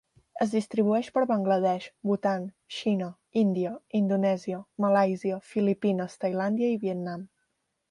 Es distribueix per Bangla Desh, Bhutan, Xina, Índia, Indonèsia, Malàisia, Filipines, Tailàndia i Vietnam.